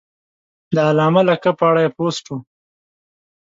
د علامه لقب په اړه یې پوسټ و.